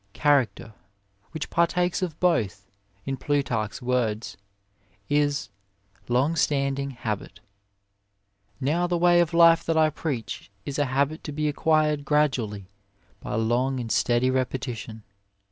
" Character," which partakes of both, in Plutarch s words, is " long standing habit." Now the way of life that I preach is a habit to be acquired gradually by long and steady repetition.